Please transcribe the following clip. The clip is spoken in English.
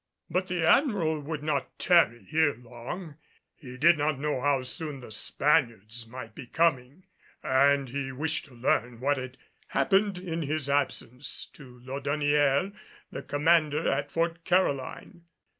But the Admiral would not tarry here long. He did not know how soon the Spaniards might be coming, and he wished to learn what had happened in his absence to Laudonnière, the Commander at Fort Caroline.